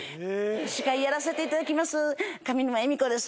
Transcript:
司会やらせていただきます上沼恵美子です！